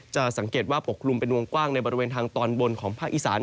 จะสังเกตว่าปกคลุมเป็นวงกว้างในบริเวณทางตอนบนของภาคอีสาน